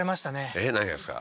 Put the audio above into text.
えっ何がですか？